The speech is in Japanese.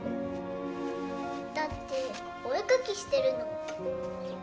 だってお絵描きしてるの。